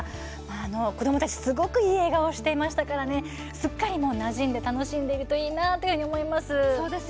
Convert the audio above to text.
子どもたち、すごくいい笑顔していましたからすっかりなじんで楽しんでいるといいなと思います。